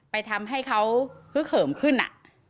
ไปทำให้เขาเขื่อเขิมขึ้น